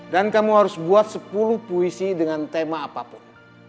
dan kamu harus buat sepuluh puisi dengan tema apapun